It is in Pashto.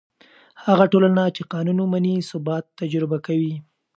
هغه ټولنه چې قانون ومني، ثبات تجربه کوي.